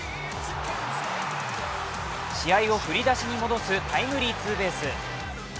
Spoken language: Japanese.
試合を振り出しに戻すタイムリーツーベース。